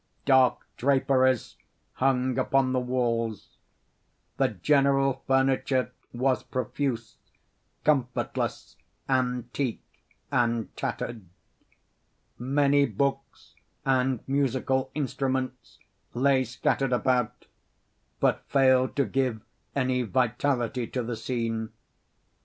Dark draperies hung upon the walls. The general furniture was profuse, comfortless, antique, and tattered. Many books and musical instruments lay scattered about, but failed to give any vitality to the scene.